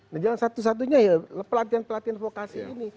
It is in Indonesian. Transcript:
dan satu satunya ya pelatihan pelatihan vokasi ini